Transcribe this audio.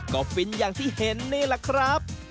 ก็ฟินอย่างที่เห็นนี่แหละครับ